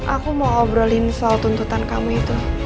aku mau obrolin soal tuntutan kamu itu